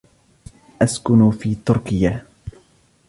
أسكن في تركيا.